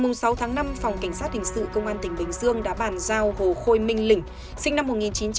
ngày sáu tháng năm phòng cảnh sát hình sự công an tỉnh bình dương đã bàn giao hồ khôi minh lĩnh sinh năm một nghìn chín trăm tám mươi